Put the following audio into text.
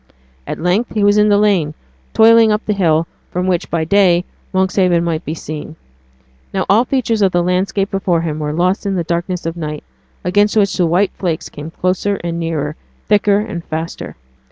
At length he was in the lane, toiling up the hill, from which, by day, Monkshaven might be seen. Now all features of the landscape before him were lost in the darkness of night, against which the white flakes came closer and nearer, thicker and faster.